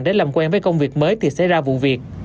để làm quen với công việc mới thì xảy ra vụ việc